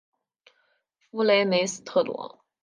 弗雷梅斯特罗。